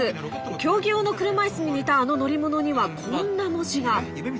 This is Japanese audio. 競技用の車いすに似たあの乗り物にはこんな文字が。